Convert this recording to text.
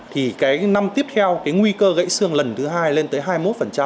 thì cái năm tiếp theo cái nguy cơ gãy xương lần thứ hai lên tới hai mươi một